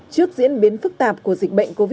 trước diễn biến phức tạp của dịch bệnh covid một mươi chín